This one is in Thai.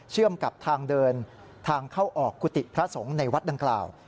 กับทางเดินทางเข้าออกกุฏิพระสงฆ์ในวัดดังกล่าว